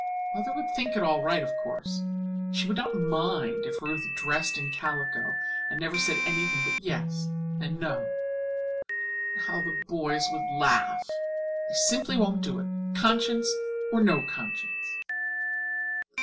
Mother would think it all right, of course. She would not mind if Ruth dressed in calico and never said anything but yes and no. But how the boys would laugh! I simply won't do it, conscience or no conscience."